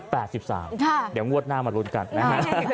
เดี๋ยวงวดหน้ามาลุ้นกันนะฮะ